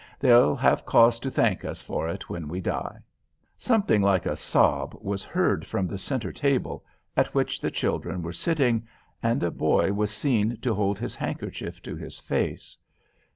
They'll have cause to thank us for it when we die." Something like a sob was heard from the centre table, at which the children were sitting, and a boy was seen to hold his handkerchief to his face.